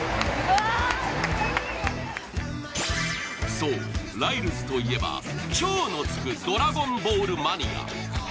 そう、ライルズといえば超のつく「ドラゴンボール」マニア。